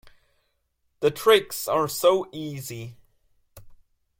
The tricks are so easy.